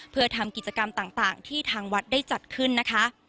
เพื่อทำกิจกรรมต่างที่ทางวัดได้จัดขึ้นนะคะ